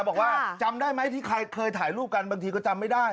บอกว่าจำได้ไหมที่ใครเคยถ่ายรูปกันบางทีก็จำไม่ได้